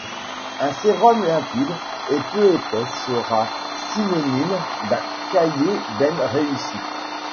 Un sérum limpide et peu épais sera synonyme d’un caillé ben réussi.